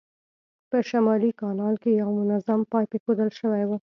په شمالي کانال کې یو منظم پایپ اېښودل شوی و.